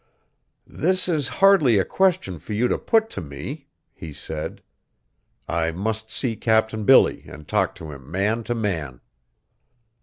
"This is hardly a question for you to put to me," he said. "I must see Captain Billy and talk to him man to man."